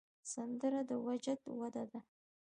سندره د وجد وده ده